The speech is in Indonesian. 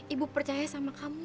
ibu percaya sama kamu